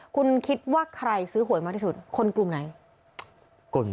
คุณคิดว่าใครซื้อหวยมากที่สุดคนกลุ่มไหน